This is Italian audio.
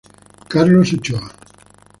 Carlos Ochoa